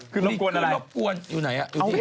ขึ้นรบกวนอะไรขึ้นรบกวน